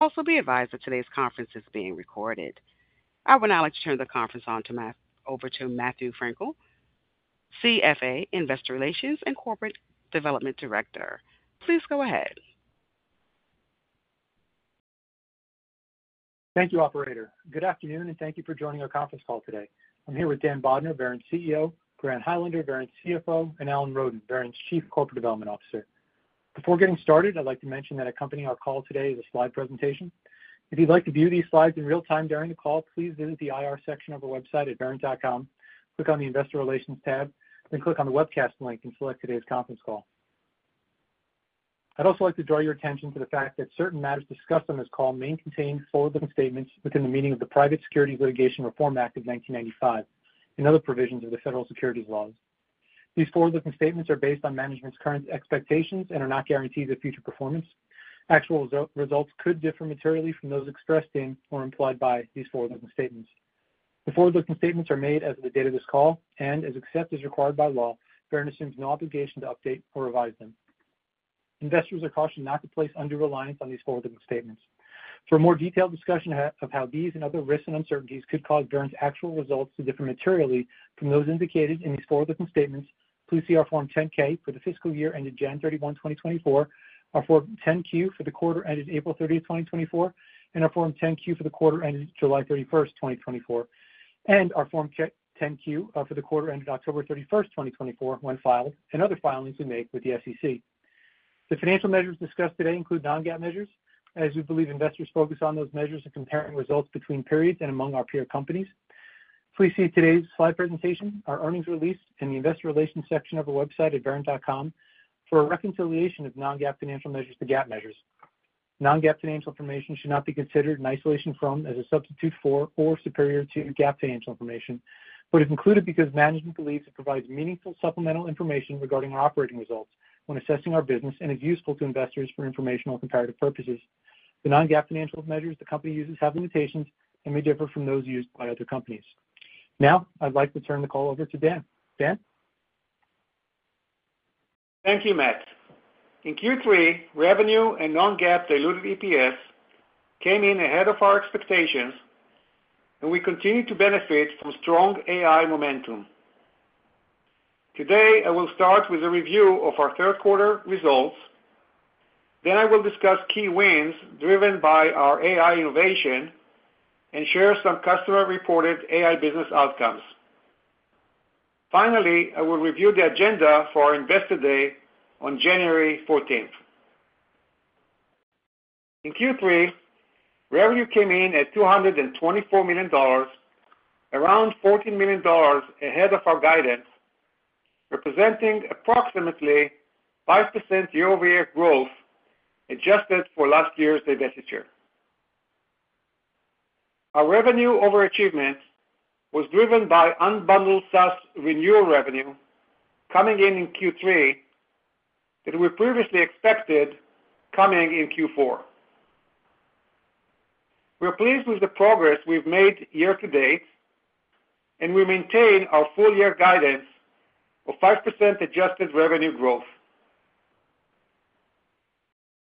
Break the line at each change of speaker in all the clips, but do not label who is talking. Also, be advised that today's conference is being recorded. I will now turn the conference on over to Matthew Frankel, CFA, Investor Relations and Corporate Development Director. Please go ahead.
Thank you, Operator. Good afternoon, and thank you for joining our conference call today. I'm here with Dan Bodner, Verint's CEO, Grant Highlander, Verint's CFO, and Alan Roden, Verint's Chief Corporate Development Officer. Before getting started, I'd like to mention that accompanying our call today is a slide presentation. If you'd like to view these slides in real time during the call, please visit the IR section of our website at verint.com, click on the Investor Relations tab, then click on the webcast link, and select today's conference call. I'd also like to draw your attention to the fact that certain matters discussed on this call may contain forward-looking statements within the meaning of the Private Securities Litigation Reform Act of 1995 and other provisions of the federal securities laws. These forward-looking statements are based on management's current expectations and are not guarantees of future performance. Actual results could differ materially from those expressed in or implied by these forward-looking statements. The forward-looking statements are made as of the date of this call and, as accepted as required by law, Verint assumes no obligation to update or revise them. Investors are cautioned not to place undue reliance on these forward-looking statements. For a more detailed discussion of how these and other risks and uncertainties could cause Verint's actual results to differ materially from those indicated in these forward-looking statements, please see our Form 10-K for the fiscal year ended January 31, 2024, our Form 10-Q for the quarter ended April 30, 2024, and our Form 10-Q for the quarter ended July 31, 2024, and our Form 10-Q for the quarter ended October 31, 2024, when filed, and other filings we make with the SEC. The financial measures discussed today include non-GAAP measures, as we believe investors focus on those measures in comparing results between periods and among our peer companies. Please see today's slide presentation, our earnings release, and the Investor Relations section of our website at verint.com for a reconciliation of non-GAAP financial measures to GAAP measures. Non-GAAP financial information should not be considered in isolation from, as a substitute for, or superior to GAAP financial information, but is included because management believes it provides meaningful supplemental information regarding our operating results when assessing our business and is useful to investors for informational and comparative purposes. The non-GAAP financial measures the company uses have limitations and may differ from those used by other companies. Now, I'd like to turn the call over to Dan. Dan?
Thank you, Matt. In Q3, revenue and non-GAAP diluted EPS came in ahead of our expectations, and we continued to benefit from strong AI momentum. Today, I will start with a review of our third-quarter results. Then, I will discuss key wins driven by our AI innovation and share some customer-reported AI business outcomes. Finally, I will review the agenda for our Investor Day on January 14th. In Q3, revenue came in at $224 million, around $14 million ahead of our guidance, representing approximately 5% year-over-year growth adjusted for last year's divestiture. Our revenue overachievement was driven by unbundled SaaS renewal revenue coming in in Q3 that we previously expected coming in Q4. We're pleased with the progress we've made year to date, and we maintain our full-year guidance of 5% adjusted revenue growth.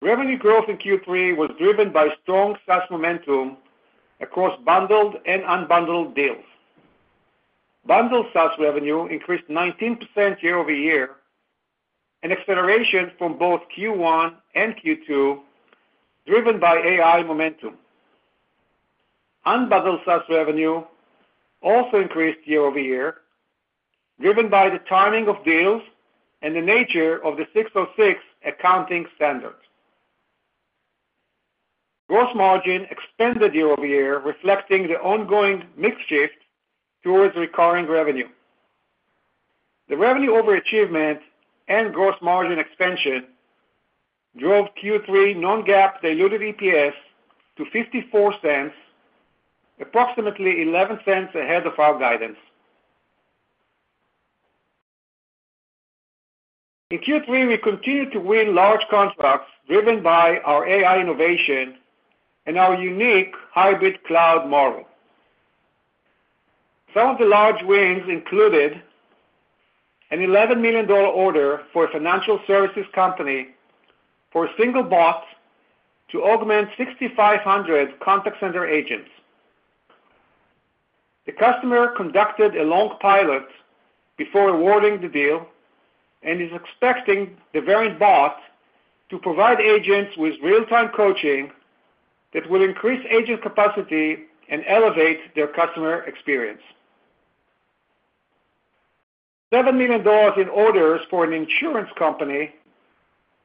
Revenue growth in Q3 was driven by strong SaaS momentum across bundled and unbundled deals. Bundled SaaS revenue increased 19% year-over-year, an acceleration from both Q1 and Q2 driven by AI momentum. Unbundled SaaS revenue also increased year-over-year, driven by the timing of deals and the nature of the 606 accounting standard. Gross margin expanded year-over-year, reflecting the ongoing mixed shift towards recurring revenue. The revenue overachievement and gross margin expansion drove Q3 non-GAAP diluted EPS to $0.54, approximately $0.11 ahead of our guidance. In Q3, we continued to win large contracts driven by our AI innovation and our unique hybrid cloud model. Some of the large wins included an $11 million order for a financial services company for a single bot to augment 6,500 contact center agents. The customer conducted a long pilot before awarding the deal and is expecting the Verint bot to provide agents with real-time coaching that will increase agent capacity and elevate their customer experience. $7 million in orders for an insurance company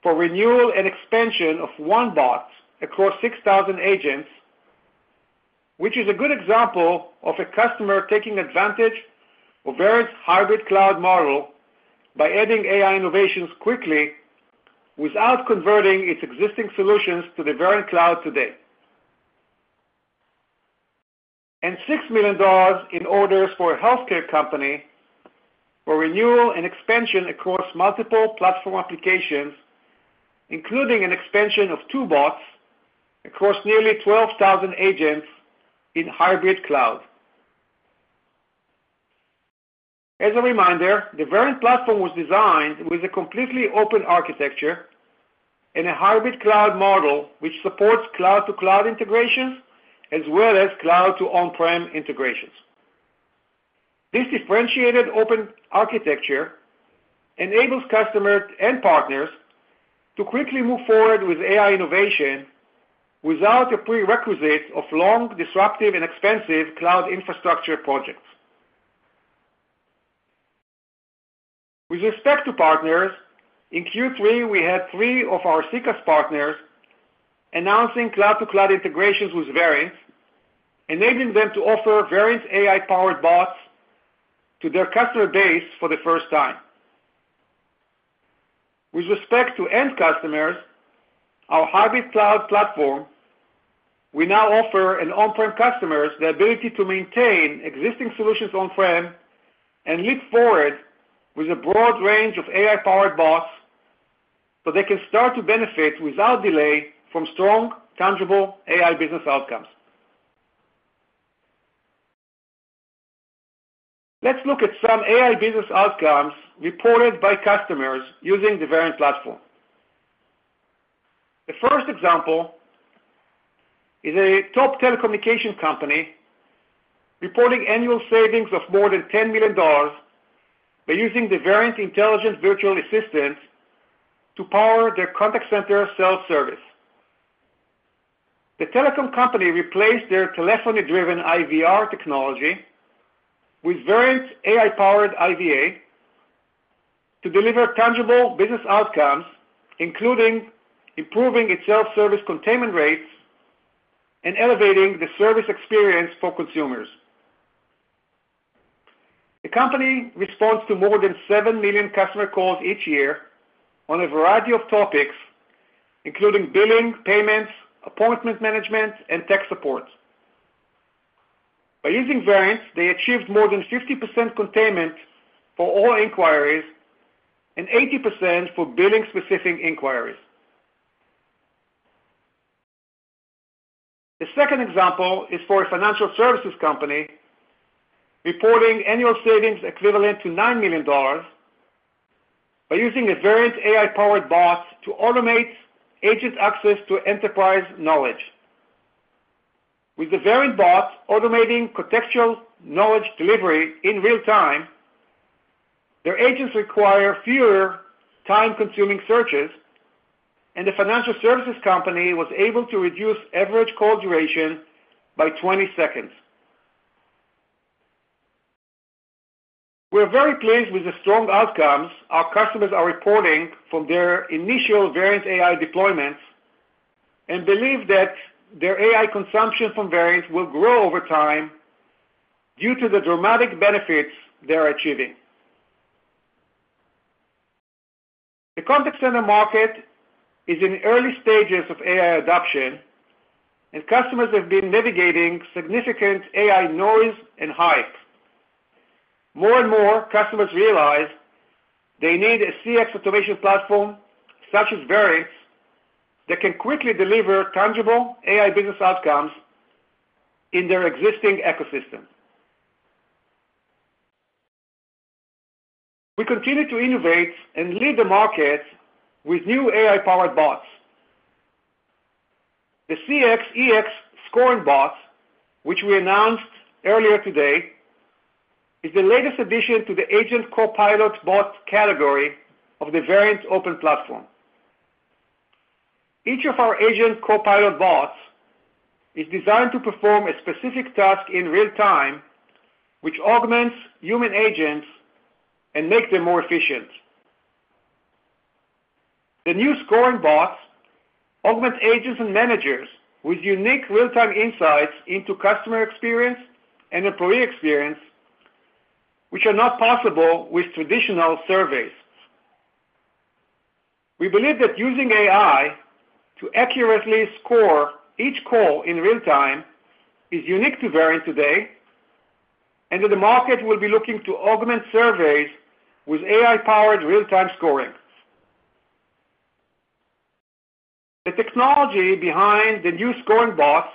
for renewal and expansion of one bot across 6,000 agents, which is a good example of a customer taking advantage of Verint's hybrid cloud model by adding AI innovations quickly without converting its existing solutions to the Verint cloud today. And $6 million in orders for a healthcare company for renewal and expansion across multiple platform applications, including an expansion of two bots across nearly 12,000 agents in hybrid cloud. As a reminder, the Verint platform was designed with a completely open architecture and a hybrid cloud model which supports cloud-to-cloud integrations as well as cloud-to-on-prem integrations. This differentiated open architecture enables customers and partners to quickly move forward with AI innovation without the prerequisites of long, disruptive, and expensive cloud infrastructure projects. With respect to partners, in Q3, we had three of our CCaaS partners announcing cloud-to-cloud integrations with Verint, enabling them to offer Verint AI-powered bots to their customer base for the first time. With respect to end customers, our hybrid cloud platform, we now offer on-prem customers the ability to maintain existing solutions on-prem and leap forward with a broad range of AI-powered bots so they can start to benefit without delay from strong, tangible AI business outcomes. Let's look at some AI business outcomes reported by customers using the Verint platform. The first example is a top telecommunications company reporting annual savings of more than $10 million by using the Verint Intelligent Virtual Assistant to power their contact center self-service. The telecom company replaced their telephony-driven IVR technology with Verint AI-powered IVA to deliver tangible business outcomes, including improving its self-service containment rates and elevating the service experience for consumers. The company responds to more than seven million customer calls each year on a variety of topics, including billing, payments, appointment management, and tech support. By using Verint, they achieved more than 50% containment for all inquiries and 80% for billing-specific inquiries. The second example is for a financial services company reporting annual savings equivalent to $9 million by using a Verint AI-powered bot to automate agent access to enterprise knowledge. With the Verint bot automating contextual knowledge delivery in real time, their agents require fewer time-consuming searches, and the financial services company was able to reduce average call duration by 20 seconds. We're very pleased with the strong outcomes our customers are reporting from their initial Verint AI deployments and believe that their AI consumption from Verint will grow over time due to the dramatic benefits they're achieving. The contact center market is in early stages of AI adoption, and customers have been navigating significant AI noise and hype. More and more, customers realize they need a CX automation platform such as Verint that can quickly deliver tangible AI business outcomes in their existing ecosystem. We continue to innovate and lead the market with new AI-powered bots. The CX/EX Scoring Bot, which we announced earlier today, is the latest addition to the Agent Copilot Bot category of the Verint open platform. Each of our Agent Copilot Bots is designed to perform a specific task in real time, which augments human agents and makes them more efficient. The new Scoring Bots augment agents and managers with unique real-time insights into customer experience and employee experience, which are not possible with traditional surveys. We believe that using AI to accurately score each call in real time is unique to Verint today, and that the market will be looking to augment surveys with AI-powered real-time scoring. The technology behind the new Scoring Bots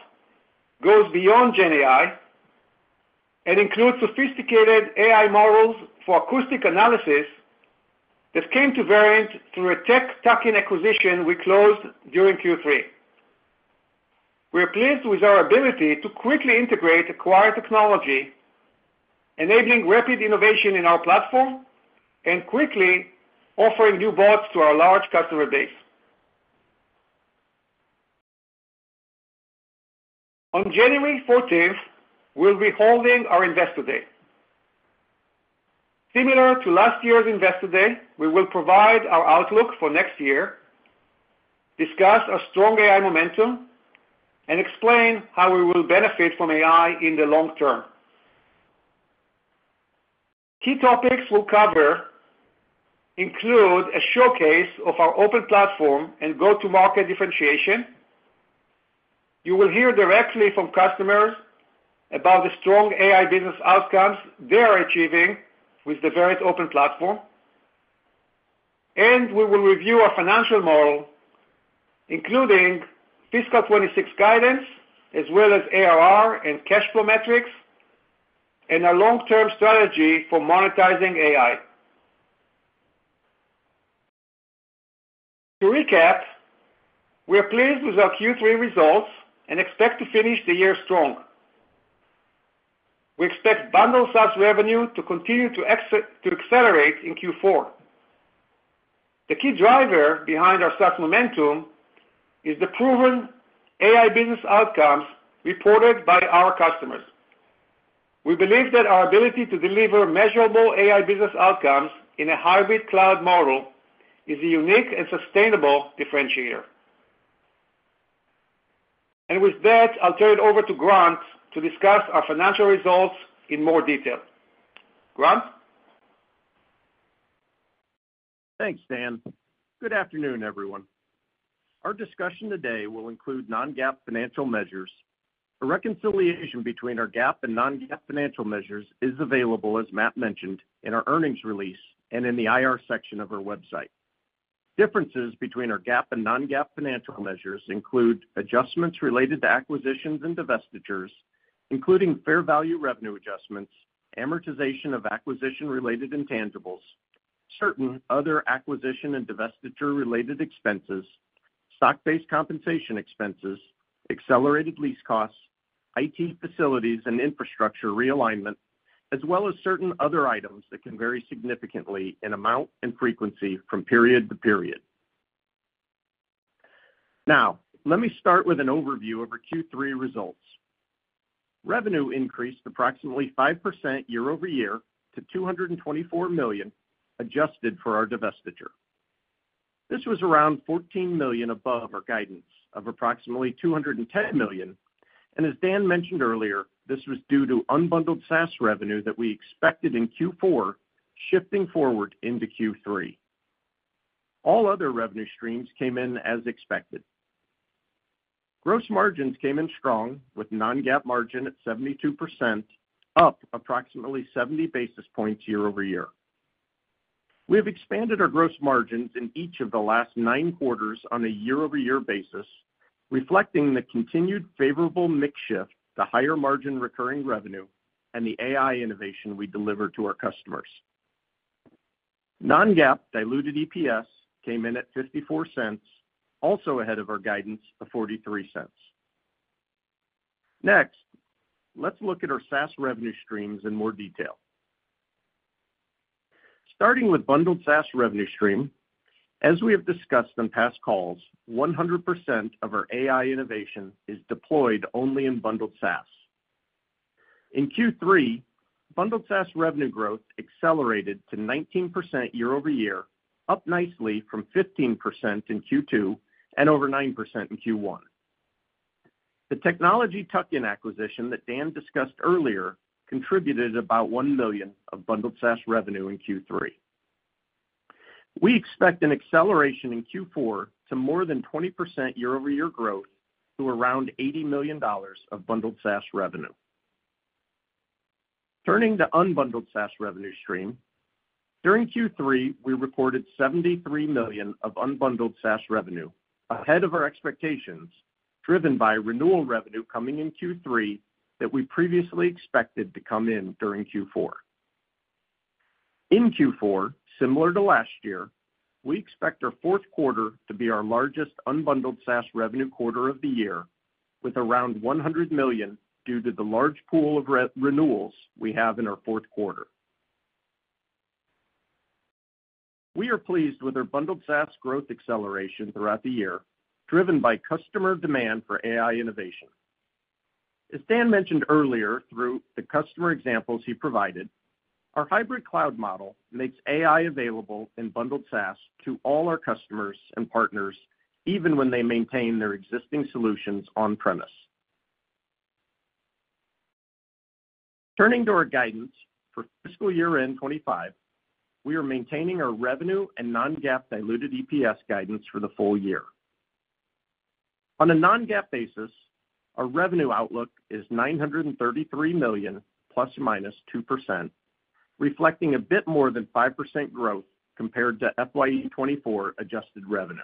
goes beyond GenAI and includes sophisticated AI models for acoustic analysis that came to Verint through a tech tuck-in acquisition we closed during Q3. We're pleased with our ability to quickly integrate acquired technology, enabling rapid innovation in our platform and quickly offering new bots to our large customer base. On January 14th, we'll be holding our Investor Day. Similar to last year's Investor Day, we will provide our outlook for next year, discuss our strong AI momentum, and explain how we will benefit from AI in the long term. Key topics we'll cover include a showcase of our Open Platform and go-to-market differentiation. You will hear directly from customers about the strong AI business outcomes they're achieving with the Verint Open Platform, and we will review our financial model, including fiscal 2026 guidance as well as ARR and cash flow metrics, and our long-term strategy for monetizing AI. To recap, we're pleased with our Q3 results and expect to finish the year strong. We expect bundled SaaS revenue to continue to accelerate in Q4. The key driver behind our SaaS momentum is the proven AI business outcomes reported by our customers. We believe that our ability to deliver measurable AI business outcomes in a hybrid cloud model is a unique and sustainable differentiator. And with that, I'll turn it over to Grant to discuss our financial results in more detail. Grant?
Thanks, Dan. Good afternoon, everyone. Our discussion today will include non-GAAP financial measures. A reconciliation between our GAAP and non-GAAP financial measures is available, as Matt mentioned, in our earnings release and in the IR section of our website. Differences between our GAAP and non-GAAP financial measures include adjustments related to acquisitions and divestitures, including fair value revenue adjustments, amortization of acquisition-related intangibles, certain other acquisition and divestiture-related expenses, stock-based compensation expenses, accelerated lease costs, IT facilities and infrastructure realignment, as well as certain other items that can vary significantly in amount and frequency from period to period. Now, let me start with an overview of our Q3 results. Revenue increased approximately 5% year-over-year to $224 million adjusted for our divestiture. This was around $14 million above our guidance of approximately $210 million. As Dan mentioned earlier, this was due to unbundled SaaS revenue that we expected in Q4 shifting forward into Q3. All other revenue streams came in as expected. Gross margins came in strong with non-GAAP margin at 72%, up approximately 70 basis points year-over-year. We have expanded our gross margins in each of the last nine quarters on a year-over-year basis, reflecting the continued favorable mixed shift, the higher margin recurring revenue, and the AI innovation we deliver to our customers. Non-GAAP diluted EPS came in at $0.54, also ahead of our guidance of $0.43. Next, let's look at our SaaS revenue streams in more detail. Starting with bundled SaaS revenue stream, as we have discussed on past calls, 100% of our AI innovation is deployed only in bundled SaaS. In Q3, bundled SaaS revenue growth accelerated to 19% year-over-year, up nicely from 15% in Q2 and over 9% in Q1. The technology tuck-in acquisition that Dan discussed earlier contributed about $1 million of bundled SaaS revenue in Q3. We expect an acceleration in Q4 to more than 20% year-over-year growth to around $80 million of bundled SaaS revenue. Turning to unbundled SaaS revenue stream, during Q3, we reported $73 million of unbundled SaaS revenue, ahead of our expectations, driven by renewal revenue coming in Q3 that we previously expected to come in during Q4. In Q4, similar to last year, we expect our fourth quarter to be our largest unbundled SaaS revenue quarter of the year, with around $100 million due to the large pool of renewals we have in our fourth quarter. We are pleased with our bundled SaaS growth acceleration throughout the year, driven by customer demand for AI innovation. As Dan mentioned earlier through the customer examples he provided, our hybrid cloud model makes AI available in bundled SaaS to all our customers and partners, even when they maintain their existing solutions on-premise. Turning to our guidance for fiscal year-end 2025, we are maintaining our revenue and non-GAAP diluted EPS guidance for the full year. On a non-GAAP basis, our revenue outlook is $933 million ±2%, reflecting a bit more than 5% growth compared to FY 2024 adjusted revenue.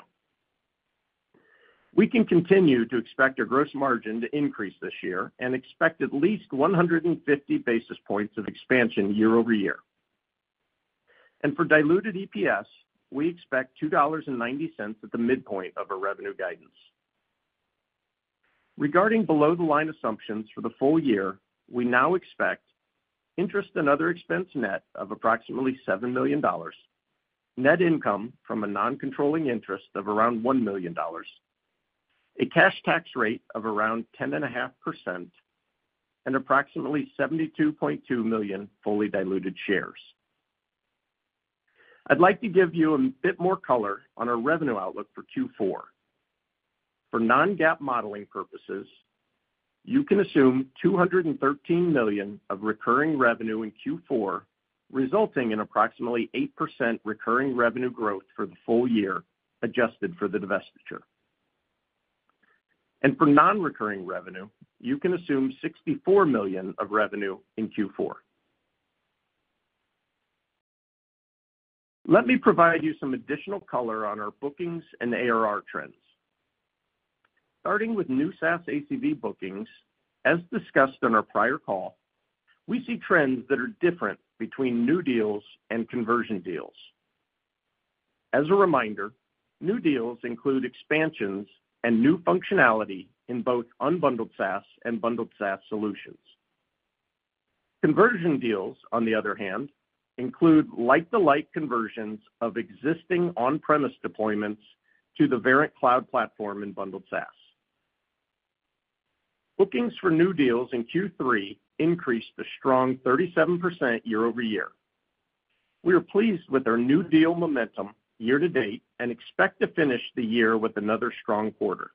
We can continue to expect our gross margin to increase this year and expect at least 150 basis points of expansion year-over-year. And for diluted EPS, we expect $2.90 at the midpoint of our revenue guidance. Regarding below-the-line assumptions for the full year, we now expect interest and other expense net of approximately $7 million, net income from a non-controlling interest of around $1 million, a cash tax rate of around 10.5%, and approximately 72.2 million fully diluted shares. I'd like to give you a bit more color on our revenue outlook for Q4. For non-GAAP modeling purposes, you can assume $213 million of recurring revenue in Q4, resulting in approximately 8% recurring revenue growth for the full year adjusted for the divestiture, and for non-recurring revenue, you can assume $64 million of revenue in Q4. Let me provide you some additional color on our bookings and ARR trends. Starting with new SaaS ACV bookings, as discussed on our prior call, we see trends that are different between new deals and conversion deals. As a reminder, new deals include expansions and new functionality in both unbundled SaaS and bundled SaaS solutions. Conversion deals, on the other hand, include like-for-like conversions of existing on-premise deployments to the Verint cloud platform in bundled SaaS. Bookings for new deals in Q3 increased a strong 37% year-over-year. We are pleased with our new deal momentum year-to-date and expect to finish the year with another strong quarter.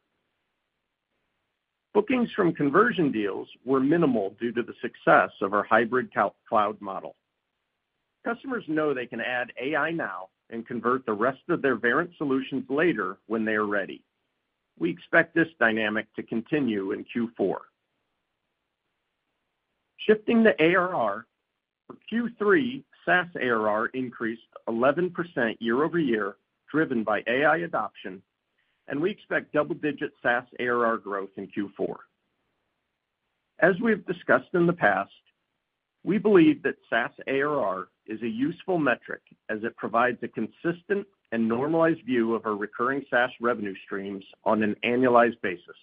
Bookings from conversion deals were minimal due to the success of our hybrid cloud model. Customers know they can add AI now and convert the rest of their Verint solutions later when they are ready. We expect this dynamic to continue in Q4. Shifting to ARR, for Q3, SaaS ARR increased 11% year-over-year, driven by AI adoption, and we expect double-digit SaaS ARR growth in Q4. As we've discussed in the past, we believe that SaaS ARR is a useful metric as it provides a consistent and normalized view of our recurring SaaS revenue streams on an annualized basis.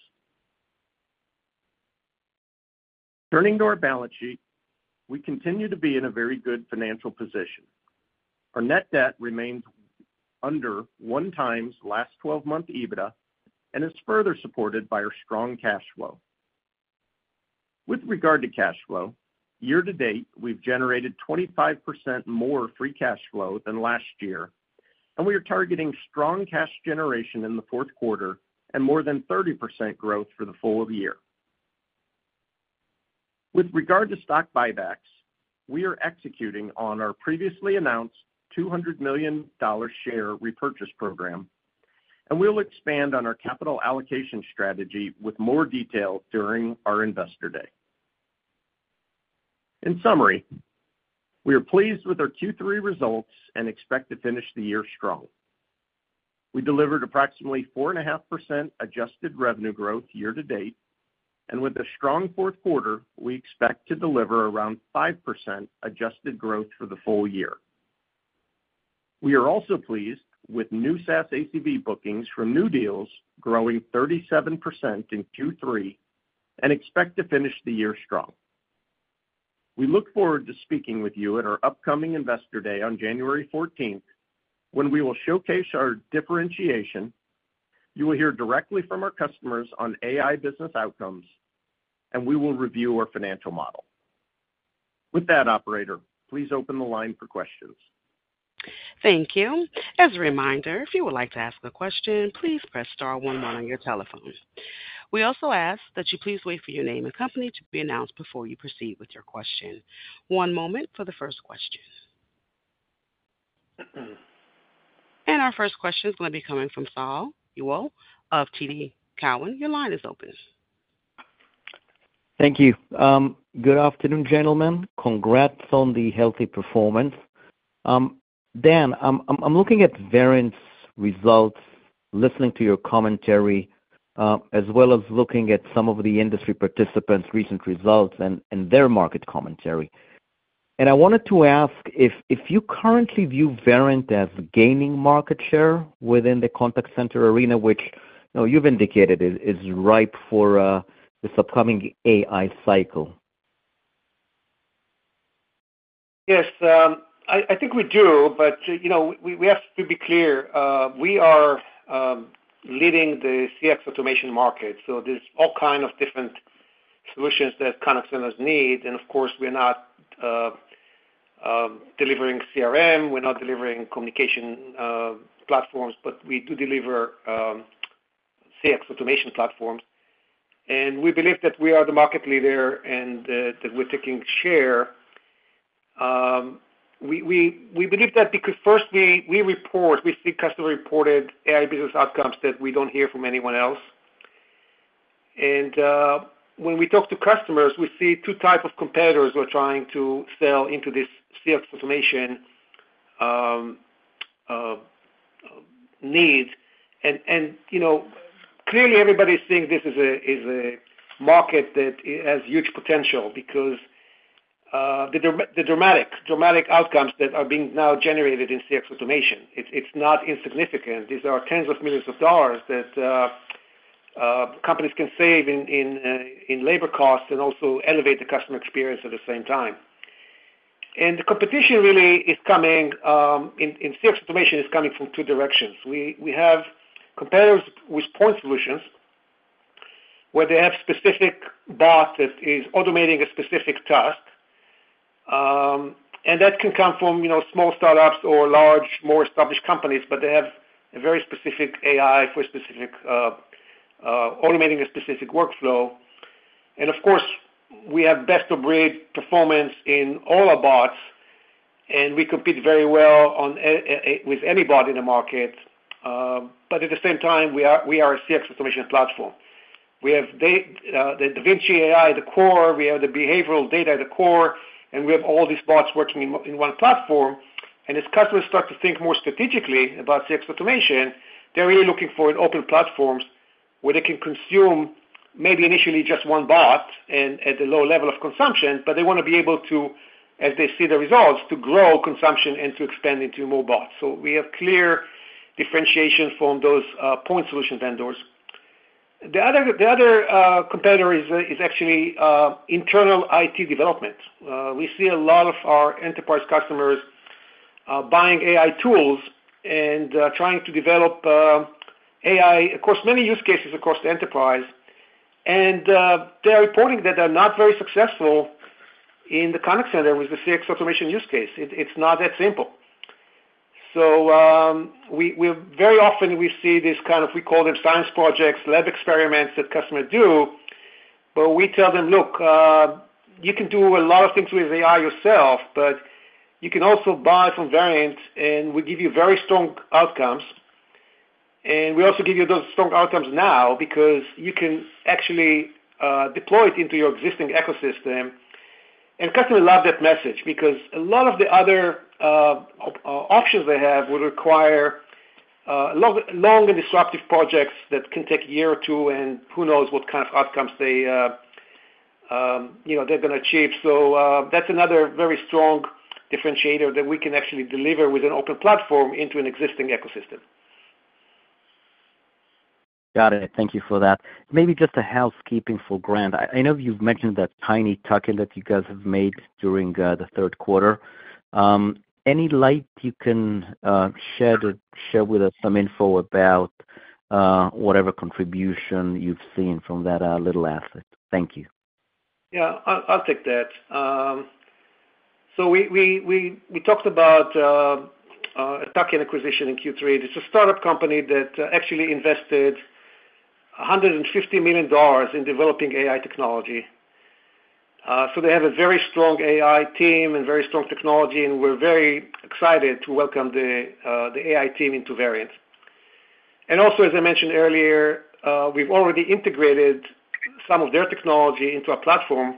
Turning to our balance sheet, we continue to be in a very good financial position. Our net debt remains under one times last 12-month EBITDA and is further supported by our strong cash flow. With regard to cash flow, year-to-date, we've generated 25% more free cash flow than last year, and we are targeting strong cash generation in the fourth quarter and more than 30% growth for the full year. With regard to stock buybacks, we are executing on our previously announced $200 million share repurchase program, and we'll expand on our capital allocation strategy with more detail during our Investor Day. In summary, we are pleased with our Q3 results and expect to finish the year strong. We delivered approximately 4.5% adjusted revenue growth year-to-date, and with a strong fourth quarter, we expect to deliver around 5% adjusted growth for the full year. We are also pleased with new SaaS ACV bookings from new deals growing 37% in Q3 and expect to finish the year strong. We look forward to speaking with you at our upcoming Investor Day on January 14th, when we will showcase our differentiation. You will hear directly from our customers on AI business outcomes, and we will review our financial model. With that, operator, please open the line for questions.
Thank you. As a reminder, if you would like to ask a question, please press star 11 on your telephone. We also ask that you please wait for your name and company to be announced before you proceed with your question. One moment for the first question. And our first question is going to be coming from Shaul Eyal of TD Cowen. Your line is open.
Thank you. Good afternoon, gentlemen. Congrats on the healthy performance. Dan, I'm looking at Verint's results, listening to your commentary, as well as looking at some of the industry participants' recent results and their market commentary, and I wanted to ask if you currently view Verint as gaining market share within the contact center arena, which you've indicated is ripe for this upcoming AI cycle.
Yes, I think we do, but we have to be clear. We are leading the CX automation market. So there's all kinds of different solutions that contact centers need. And of course, we're not delivering CRM. We're not delivering communication platforms, but we do deliver CX automation platforms. And we believe that we are the market leader and that we're taking share. We believe that because first, we report, we see customer-reported AI business outcomes that we don't hear from anyone else. And when we talk to customers, we see two types of competitors who are trying to sell into this CX automation need. And clearly, everybody is seeing this as a market that has huge potential because of the dramatic outcomes that are being now generated in CX automation. It's not insignificant. These are tens of millions of dollars that companies can save in labor costs and also elevate the customer experience at the same time. And the competition really is coming in CX automation is coming from two directions. We have competitors with point solutions where they have specific bots that are automating a specific task. And that can come from small startups or large, more established companies, but they have a very specific AI for specific automating a specific workflow. And of course, we have best-of-breed performance in all our bots, and we compete very well with any bot in the market. But at the same time, we are a CX automation platform. We have the DaVinci AI at the core. We have the behavioral data at the core. And we have all these bots working in one platform. As customers start to think more strategically about CX automation, they're really looking for open platforms where they can consume maybe initially just one bot at a low level of consumption, but they want to be able to, as they see the results, to grow consumption and to expand into more bots. So we have clear differentiation from those point solution vendors. The other competitor is actually internal IT development. We see a lot of our enterprise customers buying AI tools and trying to develop AI, of course, many use cases across the enterprise. They're reporting that they're not very successful in the contact center with the CX automation use case. It's not that simple. So very often, we see this kind of, we call them science projects, lab experiments that customers do, where we tell them, "Look, you can do a lot of things with AI yourself, but you can also buy from Verint, and we give you very strong outcomes." And we also give you those strong outcomes now because you can actually deploy it into your existing ecosystem. And customers love that message because a lot of the other options they have would require long and disruptive projects that can take a year or two and who knows what kind of outcomes they're going to achieve. So that's another very strong differentiator that we can actually deliver with an open platform into an existing ecosystem.
Got it. Thank you for that. Maybe just a housekeeping for Grant. I know you've mentioned that tiny tuck-in that you guys have made during the third quarter. Any light you can share with us some info about whatever contribution you've seen from that little asset? Thank you.
Yeah, I'll take that. So we talked about a tuck-in acquisition in Q3. It's a startup company that actually invested $150 million in developing AI technology. So they have a very strong AI team and very strong technology, and we're very excited to welcome the AI team into Verint, and also, as I mentioned earlier, we've already integrated some of their technology into our platform,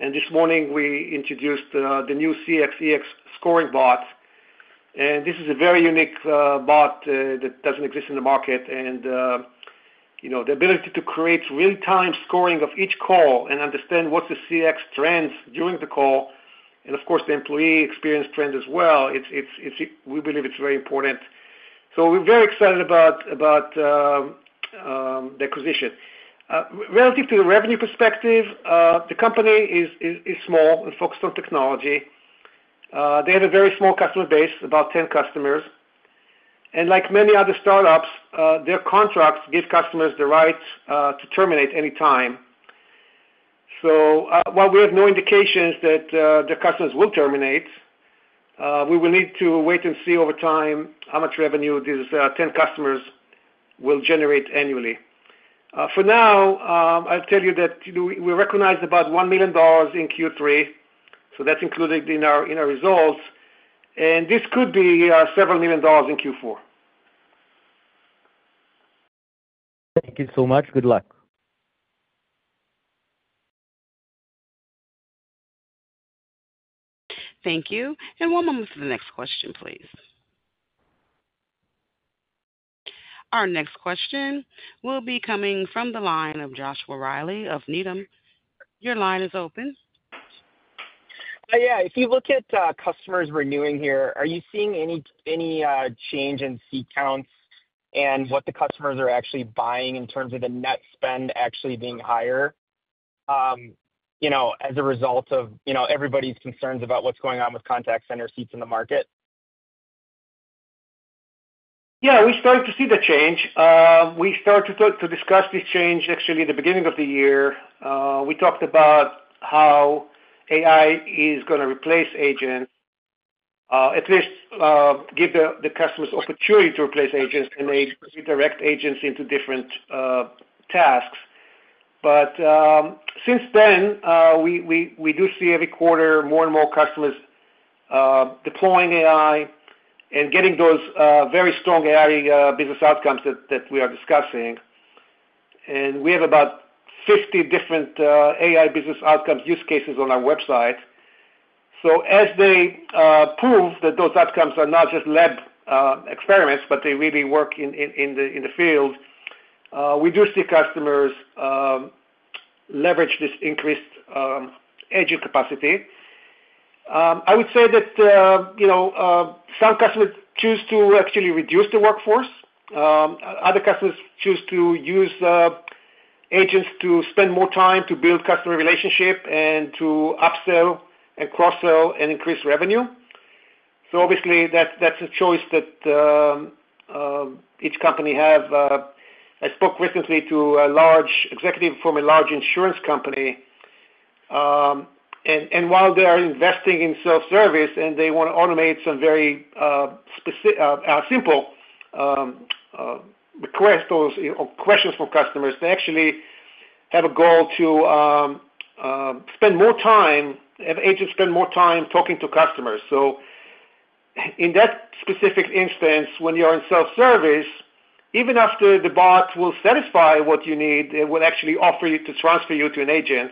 and this morning, we introduced the new CX/EX Scoring Bot. And this is a very unique bot that doesn't exist in the market, and the ability to create real-time scoring of each call and understand what's the CX trends during the call, and of course, the employee experience trend as well. We believe it's very important, so we're very excited about the acquisition. Relative to the revenue perspective, the company is small and focused on technology. They have a very small customer base, about 10 customers, and like many other startups, their contracts give customers the right to terminate any time, so while we have no indications that the customers will terminate, we will need to wait and see over time how much revenue these 10 customers will generate annually. For now, I'll tell you that we recognize about $1 million in Q3, so that's included in our results, and this could be several million dollars in Q4.
Thank you so much. Good luck.
Thank you. One moment for the next question, please. Our next question will be coming from the line of Joshua Reilly of Needham & Company. Your line is open.
Yeah. If you look at customers renewing here, are you seeing any change in seat counts and what the customers are actually buying in terms of the net spend actually being higher as a result of everybody's concerns about what's going on with contact center seats in the market?
Yeah, we started to see the change. We started to discuss this change actually at the beginning of the year. We talked about how AI is going to replace agents, at least give the customers opportunity to replace agents and direct agents into different tasks. But since then, we do see every quarter more and more customers deploying AI and getting those very strong AI business outcomes that we are discussing. And we have about 50 different AI business outcome use cases on our website. So as they prove that those outcomes are not just lab experiments, but they really work in the field, we do see customers leverage this increased agent capacity. I would say that some customers choose to actually reduce the workforce. Other customers choose to use agents to spend more time to build customer relationships and to upsell and cross-sell and increase revenue. Obviously, that's a choice that each company has. I spoke recently to a large executive from a large insurance company. While they are investing in self-service and they want to automate some very simple requests or questions from customers, they actually have a goal to spend more time, have agents spend more time talking to customers. In that specific instance, when you are in self-service, even after the bot will satisfy what you need, it will actually offer you to transfer you to an agent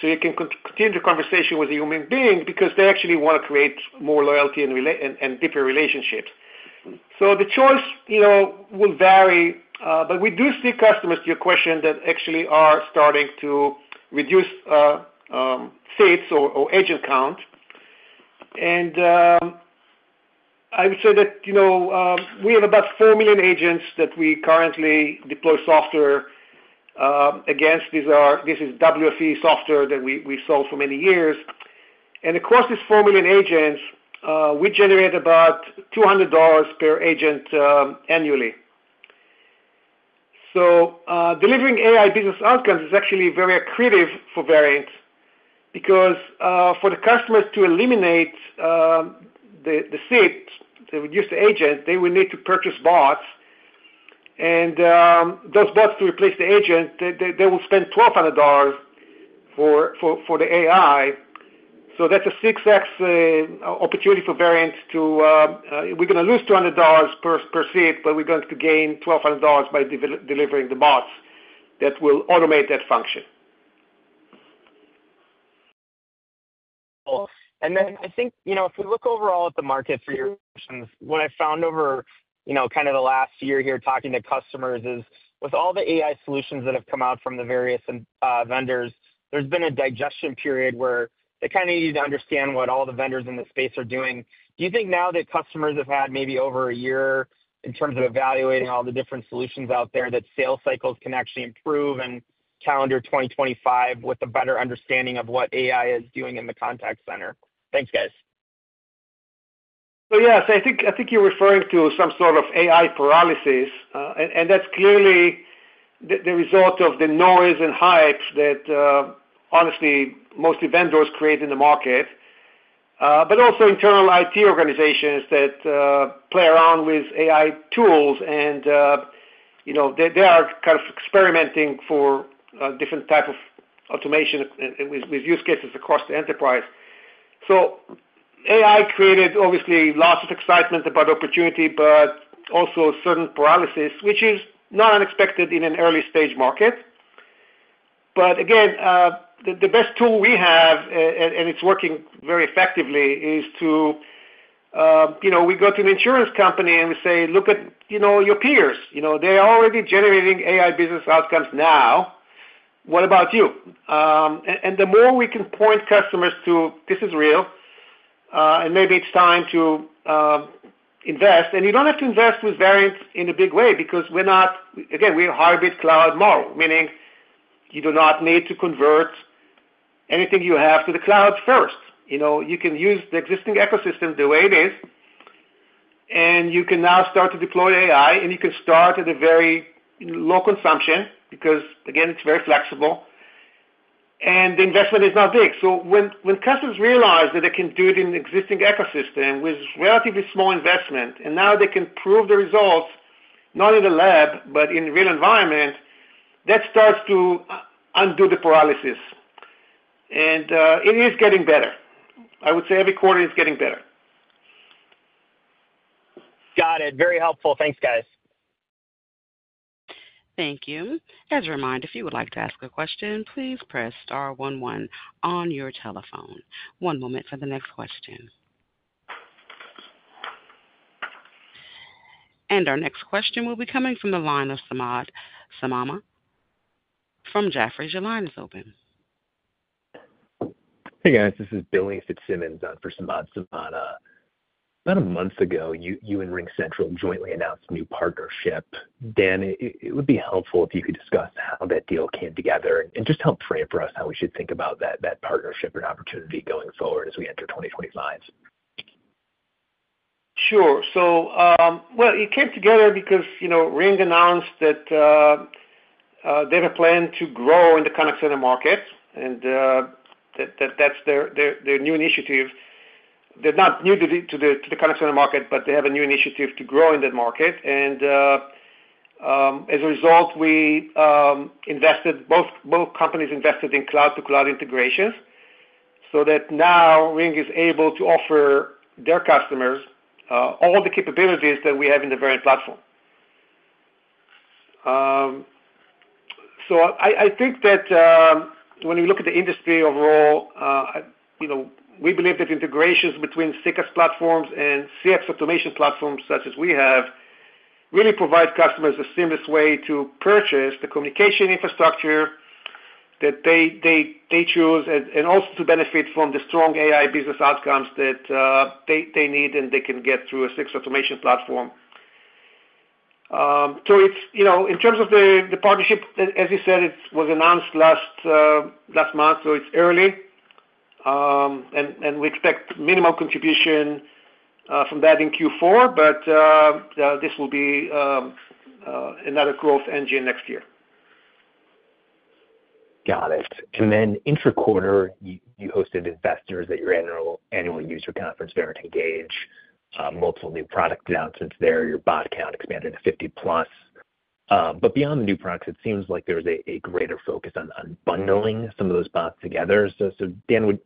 so you can continue the conversation with a human being because they actually want to create more loyalty and deeper relationships. The choice will vary. We do see customers, to your question, that actually are starting to reduce seats or agent count. I would say that we have about 4 million agents that we currently deploy software against. This is WFE software that we sold for many years, and across these 4 million agents, we generate about $200 per agent annually. So delivering AI business outcomes is actually very accretive for Verint because, for the customers to eliminate the seats, to reduce the agents, they will need to purchase bots, and those bots to replace the agents, they will spend $1,200 for the AI. So that's a 6x opportunity for Verint, too. We're going to lose $200 per seat, but we're going to gain $1,200 by delivering the bots that will automate that function.
And then I think if we look overall at the market for your questions, what I found over kind of the last year here talking to customers is with all the AI solutions that have come out from the various vendors, there's been a digestion period where they kind of need to understand what all the vendors in the space are doing. Do you think now that customers have had maybe over a year in terms of evaluating all the different solutions out there that sales cycles can actually improve and calendar 2025 with a better understanding of what AI is doing in the contact center? Thanks, guys.
So yes, I think you're referring to some sort of AI paralysis. And that's clearly the result of the noise and hype that honestly most vendors create in the market, but also internal IT organizations that play around with AI tools. And they are kind of experimenting for different types of automation with use cases across the enterprise. So AI created obviously lots of excitement about opportunity, but also a certain paralysis, which is not unexpected in an early-stage market. But again, the best tool we have, and it's working very effectively, is to we go to an insurance company and we say, "Look at your peers. They are already generating AI business outcomes now. What about you?" and the more we can point customers to, "This is real, and maybe it's time to invest." And you don't have to invest with Verint in a big way because we're not again, we're a hybrid cloud model, meaning you do not need to convert anything you have to the cloud first. You can use the existing ecosystem the way it is, and you can now start to deploy AI, and you can start at a very low consumption because, again, it's very flexible. And the investment is not big. So when customers realize that they can do it in an existing ecosystem with relatively small investment, and now they can prove the results not in the lab, but in the real environment, that starts to undo the paralysis. And it is getting better. I would say every quarter it's getting better.
Got it. Very helpful. Thanks, guys.
Thank you. As a reminder, if you would like to ask a question, please press star one one on your telephone. One moment for the next question, and our next question will be coming from the line of Samad Samana. From Jefferies, your line is open.
Hey, guys. This is Billy Fitzsimmons for Samad Samana. About a month ago, you and RingCentral jointly announced a new partnership. Dan, it would be helpful if you could discuss how that deal came together and just help frame for us how we should think about that partnership and opportunity going forward as we enter 2025.
Sure. So well, it came together because Ring announced that they have a plan to grow in the contact center market, and that's their new initiative. They're not new to the contact center market, but they have a new initiative to grow in that market. And as a result, both companies invested in cloud-to-cloud integrations so that now Ring is able to offer their customers all the capabilities that we have in the Verint platform. So I think that when you look at the industry overall, we believe that integrations between CCaaS platforms and CX automation platforms such as we have really provide customers a seamless way to purchase the communication infrastructure that they choose and also to benefit from the strong AI business outcomes that they need and they can get through a CCaaS automation platform. So in terms of the partnership, as you said, it was announced last month, so it's early. And we expect minimal contribution from that in Q4, but this will be another growth engine next year.
Got it. And then intra-quarter, you hosted investors at your annual user conference, Verint Engage. Multiple new product announcements there. Your bot count expanded to 50 plus. But beyond the new products, it seems like there was a greater focus on bundling some of those bots together. So Dan, it would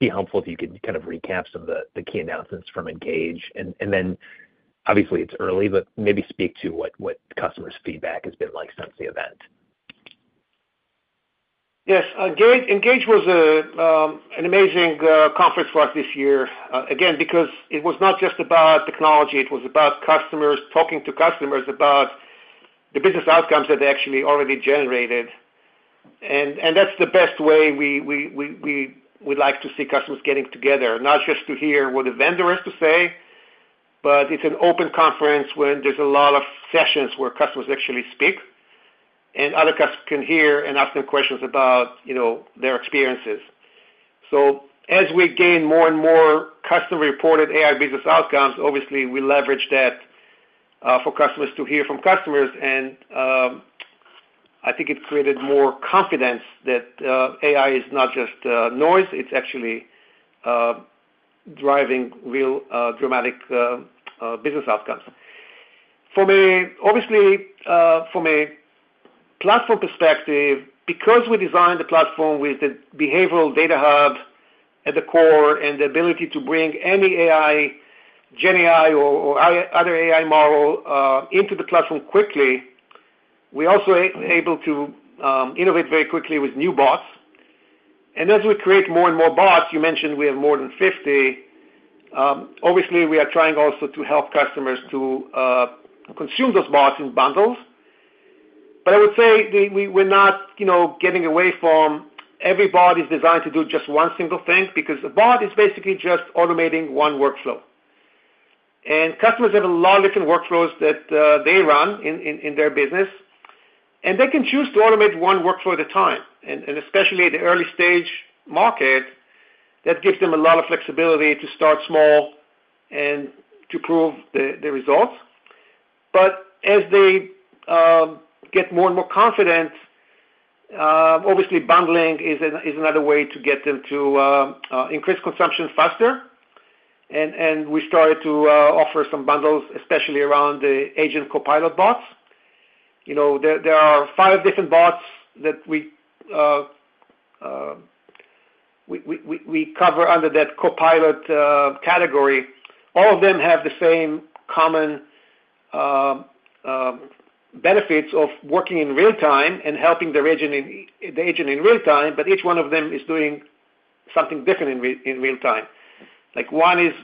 be helpful if you could kind of recap some of the key announcements from Engage. And then obviously, it's early, but maybe speak to what customers' feedback has been like since the event.
Yes. Engage was an amazing conference for us this year, again, because it was not just about technology. It was about customers talking to customers about the business outcomes that they actually already generated. And that's the best way we'd like to see customers getting together, not just to hear what the vendor has to say, but it's an open conference where there's a lot of sessions where customers actually speak and other customers can hear and ask them questions about their experiences. So as we gain more and more customer-reported AI business outcomes, obviously, we leverage that for customers to hear from customers. And I think it created more confidence that AI is not just noise. It's actually driving real dramatic business outcomes. Obviously, from a platform perspective, because we designed the platform with the behavioral data hub at the core and the ability to bring any AI, GenAI, or other AI model into the platform quickly, we're also able to innovate very quickly with new bots. And as we create more and more bots, you mentioned we have more than 50. Obviously, we are trying also to help customers to consume those bots in bundles. But I would say we're not getting away from every bot is designed to do just one single thing because a bot is basically just automating one workflow. And customers have a lot of different workflows that they run in their business. And they can choose to automate one workflow at a time. And especially the early-stage market, that gives them a lot of flexibility to start small and to prove the results. But as they get more and more confident, obviously, bundling is another way to get them to increase consumption faster. And we started to offer some bundles, especially around the Agent Copilot Bots. There are five different bots that we cover under that Copilot category. All of them have the same common benefits of working in real-time and helping the agent in real-time, but each one of them is doing something different in real-time. One is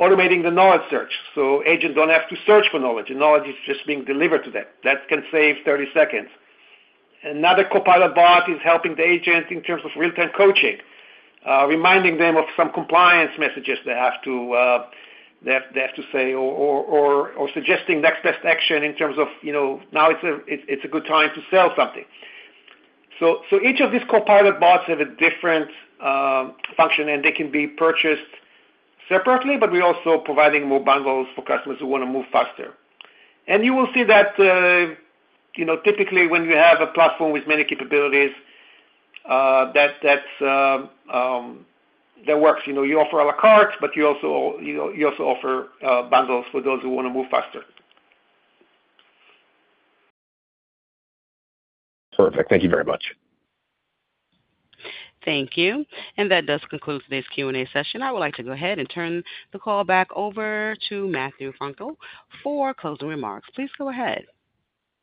automating the knowledge search. So agents don't have to search for knowledge. Knowledge is just being delivered to them. That can save 30 seconds. Another Copilot bot is helping the agent in terms of real-time coaching, reminding them of some compliance messages they have to say or suggesting next best action in terms of now it's a good time to sell something. So, each of these Copilot bots have a different function, and they can be purchased separately, but we're also providing more bundles for customers who want to move faster. And you will see that typically when you have a platform with many capabilities, that works. You offer a la carte, but you also offer bundles for those who want to move faster.
Perfect. Thank you very much.
Thank you. And that does conclude today's Q&A session. I would like to go ahead and turn the call back over to Matthew Frankel for closing remarks. Please go ahead.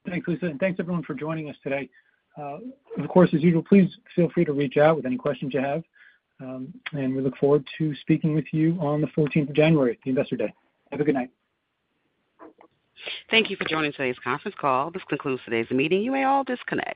Thanks, Lisa, and thanks, everyone, for joining us today. Of course, as usual, please feel free to reach out with any questions you have. We look forward to speaking with you on the 14th of January, the investor day. Have a good night.
Thank you for joining today's conference call. This concludes today's meeting. You may all disconnect.